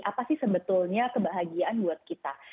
apa sih sebetulnya kebahagiaan buat kita